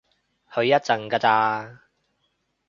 去一陣㗎咋